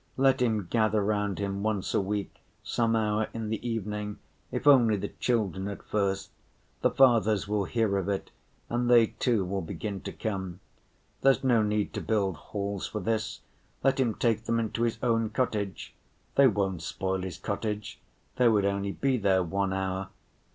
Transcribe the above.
Let him gather round him once a week, some hour in the evening, if only the children at first—the fathers will hear of it and they too will begin to come. There's no need to build halls for this, let him take them into his own cottage. They won't spoil his cottage, they would only be there one hour.